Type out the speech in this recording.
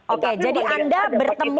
oke jadi anda bertemu